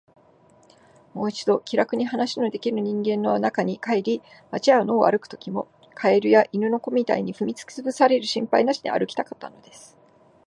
もう一度、気らくに話のできる人間の中に帰り、街や野を歩くときも、蛙や犬の子みたいに踏みつぶされる心配なしに歩きたかったのです。